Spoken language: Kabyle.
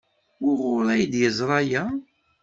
Wuɣur ay d-yeẓra aya?